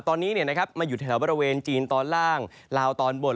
ตอนนี้มาอยู่แถวบริเวณจีนตอนล่างลาวตอนบน